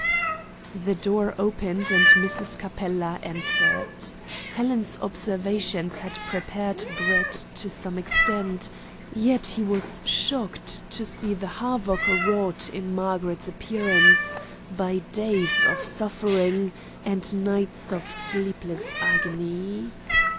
The door opened, and Mrs. Capella entered. Helen's observations had prepared Brett to some extent, yet he was shocked to see the havoc wrought in Margaret's appearance by days of suffering and nights of sleepless agony.